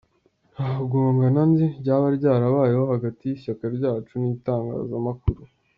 Nta gongana nzi ryaba ryarabayeho hagati y’Ishyaka ryacu n’itangazamakuru.